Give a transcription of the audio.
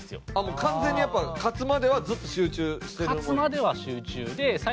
完全にやっぱ勝つまではずっと集中してる？